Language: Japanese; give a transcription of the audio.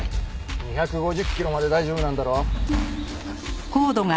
２５０キロまで大丈夫なんだろ？